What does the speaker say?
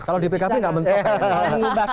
kalau di pkb nggak mentok